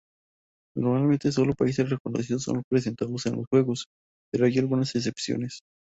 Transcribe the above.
Normalmente solo países reconocidos son representados en los Juegos, pero hay algunas excepciones.